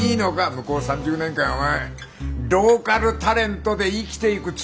向こう３０年間お前ローカルタレントで生きていくつもりか？